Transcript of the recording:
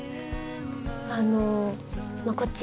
あのこっち。